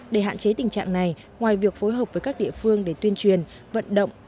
để hạn chế tình trạng này ngoài việc phối hợp với các địa phương để tuyên truyền vận động